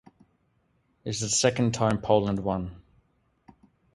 It is the second time Poland won.